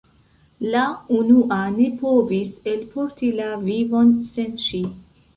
La unua ne povis elporti la vivon sen ŝi.